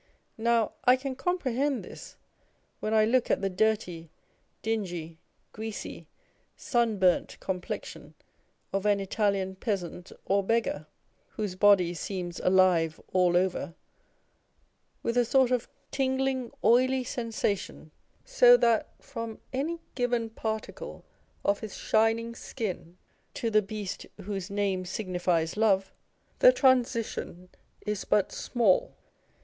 Now I can comprehend this, when I look at the dirty, dingy, greasy, sunburnt complexion of an Italian peasant or beggar, whose body seems alive all over with a sort of tingling, oilv sensation, so that from any given particle of his shining skin to the beast " whose name signifies love " the transition is but small.